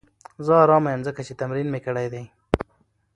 زه ارامه یم ځکه چې تمرین مې کړی دی.